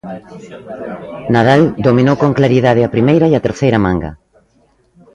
Nadal dominou con claridade a primeira e a terceira manga.